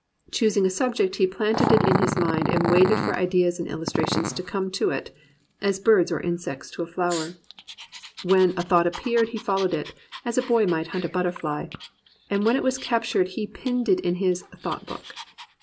Choosing a subject he planted it in his mind and waited for ideas and illustrations to come to it, as birds or insects to a flower. When a thought appeared he followed it, "as a boy might hunt a butterfly," and when it was captured he pinned it in his "thought book."